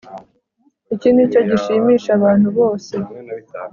Iki nicyo gishimisha abantu bose